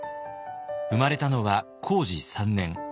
生まれたのは弘治３年。